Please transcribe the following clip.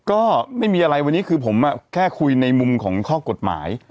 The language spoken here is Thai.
ก็ไม่มีอะไรวันนี้คือผมแค่คุยในมุมของข้อกฎหมาย